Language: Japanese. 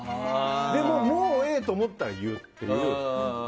でも、もうええと思ったら言うっていう。